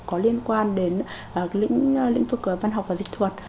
có liên quan đến lĩnh vực văn học và dịch thuật